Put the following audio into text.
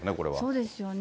そうですよね。